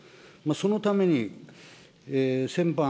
そのために、先般、